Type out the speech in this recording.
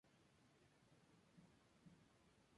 Su padre era normando y su madre inglesa.